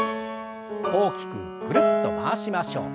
大きくぐるっと回しましょう。